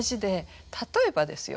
例えばですよ